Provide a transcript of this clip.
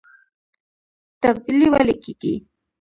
تبدیلي ولې کیږي؟